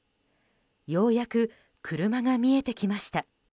ようやく車が見えてきました。